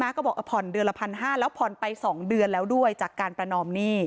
แม่ก็บอกว่าผ่อนเดือนละพันห้าแล้วผ่อนไปสองเดือนแล้วด้วยจากการประนอมหนี้